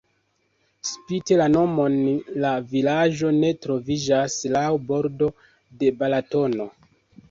Spite la nomon la vilaĝo ne troviĝas laŭ bordo de Balatono.